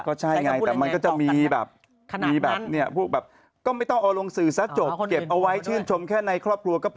ก็ใช่ไงแต่มันก็จะมีแบบมีแบบเนี่ยพวกแบบก็ไม่ต้องเอาลงสื่อซะจบเก็บเอาไว้ชื่นชมแค่ในครอบครัวก็พอ